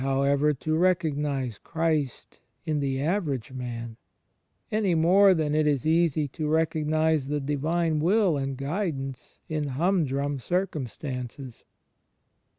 CHRIST IN THE EXTERIOR 97 to recognize Christ in the average man — any more than it is easy to recognize the Divine will and guidance in himidrum circimistances.